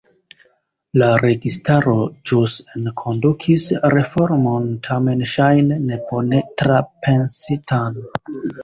La registaro ĵus enkondukis reformon, tamen ŝajne ne bone trapensitan.